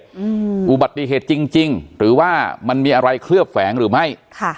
อืมอุบัติเหตุจริงจริงหรือว่ามันมีอะไรเคลือบแฝงหรือไม่ค่ะ